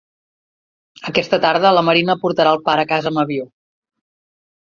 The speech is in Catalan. Aquesta tarda la marina portarà el pare a casa amb avió.